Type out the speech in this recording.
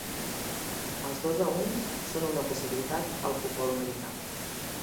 Els dos a un són una possibilitat al futbol americà.